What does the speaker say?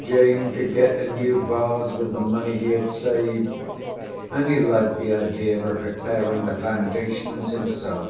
Janet could get a new vase with the money he had saved; and he liked the idea of repairing the foundations himself!